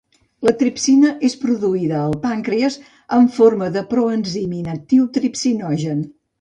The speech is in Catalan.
La tripsina és produïda al pàncrees en forma del proenzim inactiu tripsinogen.